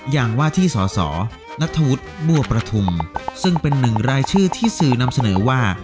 อย่างว่าที่สสนัทธวุฒิบัวประทุมซึ่งเป็นหนึ่งรายชื่อที่สื่อนำเสนอว่า